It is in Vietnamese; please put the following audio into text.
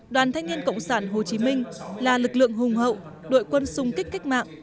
đoàn thanh niên cộng sản hồ chí minh là lực lượng hùng hậu đội quân sung kích cách mạng